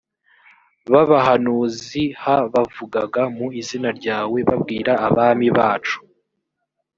b abahanuzi h bavugaga mu izina ryawe babwira abami bacu